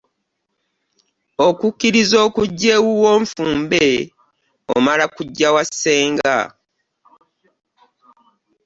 Okukkiriza okujja ewuwo nfumbe omala kujja wa ssenga.